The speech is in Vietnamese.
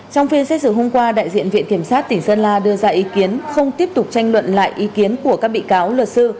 trong phiên xét xử hôm qua đại diện viện kiểm sát tỉnh sơn la đưa ra ý kiến không tiếp tục tranh luận lại ý kiến của các bị cáo luật sư